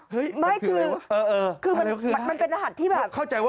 เฮ้ยมันคืออะไรวะ